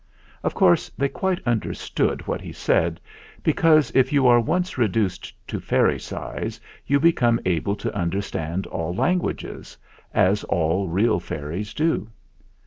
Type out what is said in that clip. Of course they quite understood what he said, because if you are once reduced to fairy size you become able to understand all lan guages, as all real fairies do.